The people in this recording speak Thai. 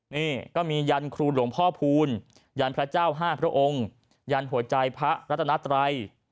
นี่ก็มียันครูหลวงพ่อพูลยันพระเจ้า๕พระองค์ยันหัวใจพระรัตนัตรัย